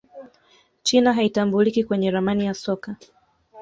china haitambuliki kwenye ramani ya soka